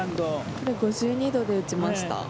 これ、５２度で打ちました。